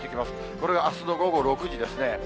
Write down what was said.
これがあすの午後６時ですね。